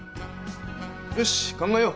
よし考えよう！